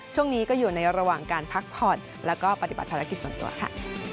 ช่วงนี้ก็อยู่ในระหว่างการพักผ่อนแล้วก็ปฏิบัติภารกิจส่วนตัวค่ะ